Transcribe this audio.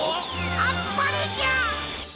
あっぱれじゃ。